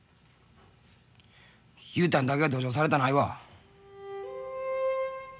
雄太にだけは同情されたないわ。